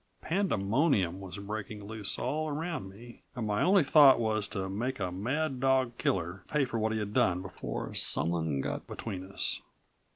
Pandemonium was breaking loose all around me, and my only thought was to make a mad dog killer pay for what he had done before someone got between us.